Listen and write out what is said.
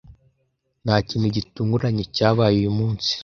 Nta kintu gitunguranye cyabaye uyu munsi.